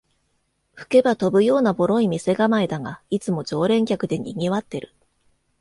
吹けば飛ぶようなボロい店構えだが、いつも常連客でにぎわってる